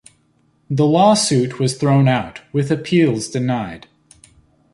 The lawsuit was thrown out, with appeals denied.